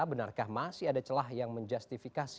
benarkah masih ada celah yang menjustifikasi